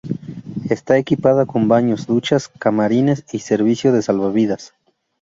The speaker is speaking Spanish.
Está equipada con baños, duchas, camarines y servicio de salvavidas.